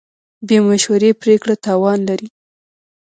بې مشورې پرېکړه تاوان لري.